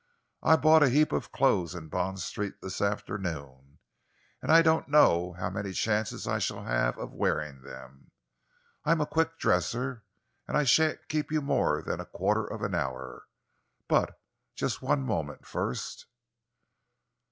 "I bought a heap of clothes in Bond Street this afternoon, and I don't know how many chances I shall have of wearing them. I am a quick dresser, and I shan't keep you more than a quarter of an hour. But just one moment first."